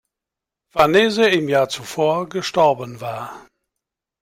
Farnese im Jahr zuvor gestorben war.